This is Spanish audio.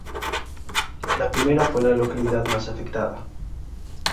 La primera fue la localidad más afectada.